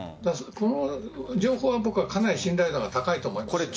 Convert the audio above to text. この情報はかなり信頼度が高いと思います。